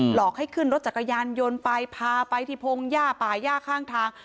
หลอกให้ขึ้นรถจักรยานยนต์ไปพาไปที่พงหญ้าป่าย่าข้างทาง